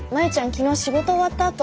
昨日仕事終わったあと。